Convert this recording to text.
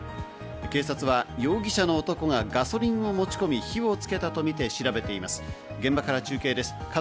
警察は容疑者の男がガソリンを持ち込み、火をつけたとみて調べています。